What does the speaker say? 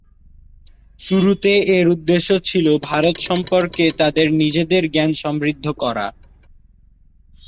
শুরুতে এর উদ্দেশ্য ছিল ভারত সম্পর্কে তাদের নিজেদের জ্ঞানকে সমৃদ্ধ করা।